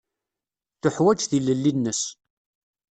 Teḥwaǧ tilelli-nnes.